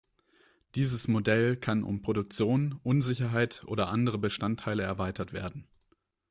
Dieses Model kann um Produktion, Unsicherheit oder andere Bestandteile erweitert werden.